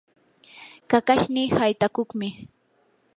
kakashnii haytakuqmi.